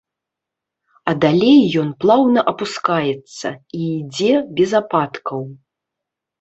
А далей ён плаўна апускаецца і ідзе без ападкаў.